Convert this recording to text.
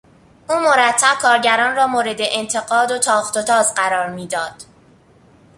او مرتب کارگران را مورد انتقاد و تاخت و تاز قرار میداد.